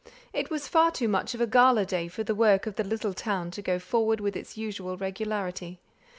It was far too much of a gala day for the work of the little town to go forward with its usual regularity.